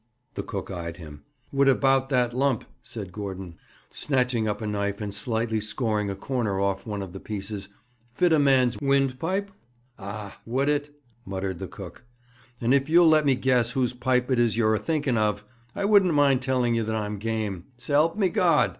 The cook eyed him. 'Would about that lump,' said Gordon, snatching up a knife and slightly scoring a corner off one of the pieces, 'fit a man's windpipe?' 'Ah! would it?' muttered the cook. 'And if you'll let me guess whose pipe it is you're a thinking of, I wouldn't mind telling you that I'm game s'elp me God!